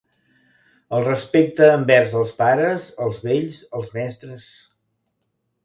El respecte envers els pares, els vells, els mestres.